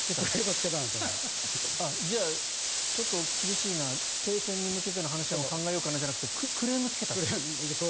じゃあ、ちょっと厳しいな停戦に向けての話は考えようかなじゃなくてクレームをつけたと。